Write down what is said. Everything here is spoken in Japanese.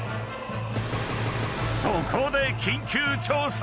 ［そこで］